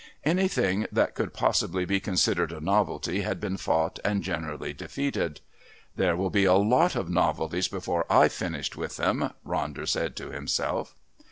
Anything that could possibly be considered a novelty had been fought and generally defeated. "There will be a lot of novelties before I've finished with them," Ronder said to himself.